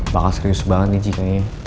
bakal serius banget nih ji kayaknya